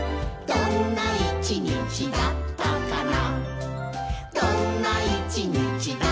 「どんな一日だったかな」